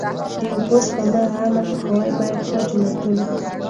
د اوبو سپما عامه پوهاوی باید په جوماتونو.